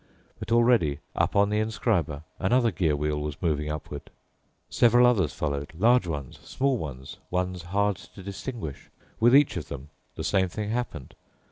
But already up on the inscriber another gear wheel was moving upwards. Several others followed—large ones, small ones, ones hard to distinguish. With each of them the same thing happened.